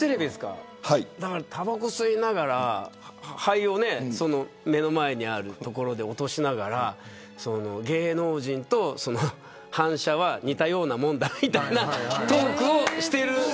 タバコを吸いながら灰を目の前で落としながら芸能人と反社は似たようなものだみたいなトークをしている。